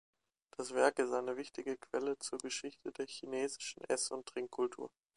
Das Werk ist eine wichtige Quelle zur Geschichte der chinesischen Ess- und Trinkkultur.